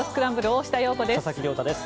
大下容子です。